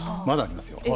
まだありますよ。